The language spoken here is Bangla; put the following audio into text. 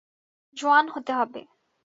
জোয়ান হতে হবে!